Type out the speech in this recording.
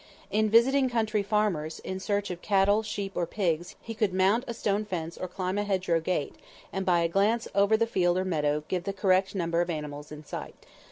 In visiting country farmers in search of cattle, sheep or pigs he could mount a stone fence or climb a hedge row gate, and by a glance over the field or meadow, give the correct number of animals in sight.